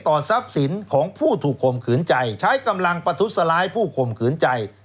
ทรัพย์สินของผู้ถูกข่มขืนใจใช้กำลังประทุษร้ายผู้ข่มขืนใจ